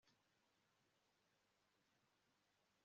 ntitwari kuba twabonye imbaraga